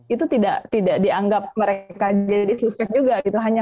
itu tidak dianggap mereka jadi suspek juga gitu